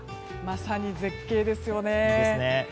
まさに絶景ですよね。